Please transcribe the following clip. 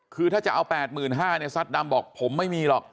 คือถ้าจะเอา๘๕๐๐เนี่ยซัดดำบอกผมไม่มีหรอก